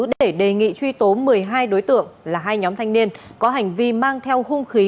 để đề nghị truy tố một mươi hai đối tượng là hai nhóm thanh niên có hành vi mang theo hung khí